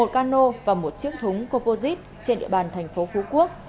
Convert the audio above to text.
một cano và một chiếc thúng composite trên địa bàn thành phố phú quốc